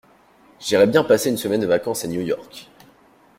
J'irais bien passer une semaine de vacances à New-York.